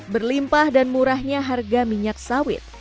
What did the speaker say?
berlimpah dan murahnya harga minyak sawit